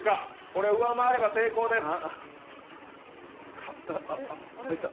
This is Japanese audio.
これを上回れば成功です。